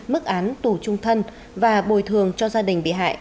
mức án tù trung thân và bồi thường cho gia đình bị hại